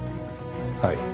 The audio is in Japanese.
はい。